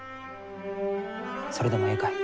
それでもえいかえ？